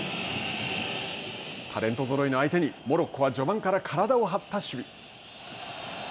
タレントぞろいの相手にモロッコは序盤から体を張った守備。